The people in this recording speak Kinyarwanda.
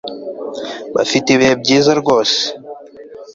Bafite ibihe byiza rwose